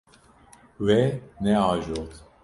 Wê neajot.